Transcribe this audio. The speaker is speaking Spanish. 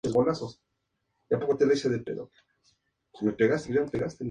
Con la llegada de la guardia, Cleopatra se da cuenta de su error.